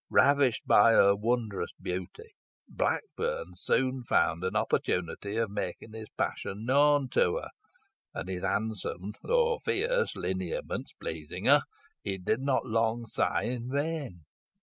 Ravished by her wondrous beauty, Blackburn soon found an opportunity of making his passion known to her, and his handsome though fierce lineaments pleasing her, he did not long sigh in vain.